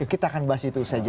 kita akan bahas itu saja